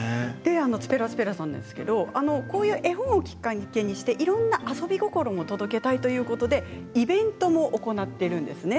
ｔｕｐｅｒａｔｕｐｅｒａさんですがこういった絵本をきっかけにしていろんな遊び心を届けたいということでイベントを行っているんですね。